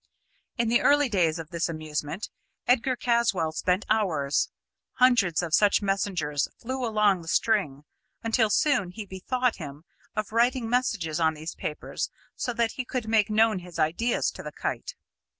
In the early days of this amusement Edgar Caswall spent hours. Hundreds of such messengers flew along the string, until soon he bethought him of writing messages on these papers so that he could make known his ideas to the kite.